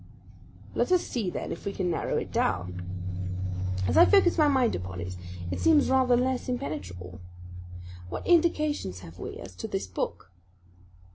"Let us see then if we can narrow it down. As I focus my mind upon it, it seems rather less impenetrable. What indications have we as to this book?"